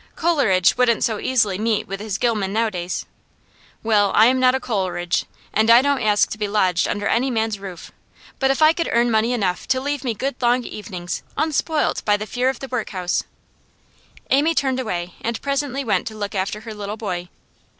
Coleridge wouldn't so easily meet with his Gillman nowadays. Well, I am not a Coleridge, and I don't ask to be lodged under any man's roof; but if I could earn money enough to leave me good long evenings unspoilt by fear of the workhouse ' Amy turned away, and presently went to look after her little boy.